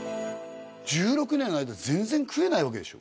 １６年の間全然食えないわけでしょ？